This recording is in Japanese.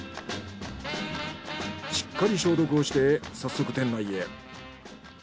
しっかり消毒をして早速店内へ。